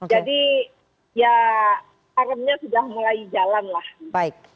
jadi ya haremnya sudah mulai jalan lah